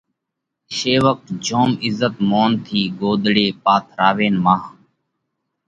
شيوَڪ جوم عزت مونَ ٿِي ڳوۮڙي پٿراوينَ مانه